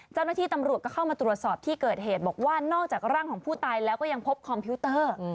เจ้าหน้าที่ตำรวจก็เข้ามาตรวจสอบที่เกิดเหตุบอกว่านอกจากร่างของผู้ตายแล้วก็ยังพบคอมพิวเตอร์